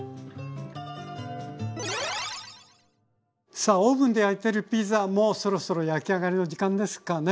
さあオーブンで焼いてるピザもそろそろ焼き上がりの時間ですかね？